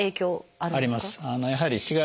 あります。